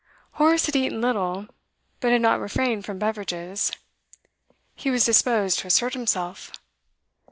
Horace had eaten little, but had not refrained from beverages; he was disposed to assert himself.